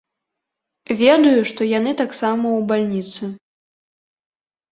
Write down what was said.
Ведаю, што яны таксама ў бальніцы.